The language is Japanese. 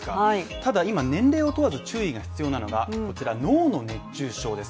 ただいま年齢を問わず注意が必要なのがこちら脳の熱中症です。